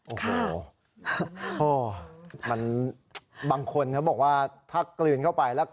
โอ้โหมันบางคนเขาบอกว่าถ้ากลืนเข้าไปแล้ว